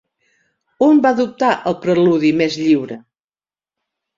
On va adoptar el preludi més lliure?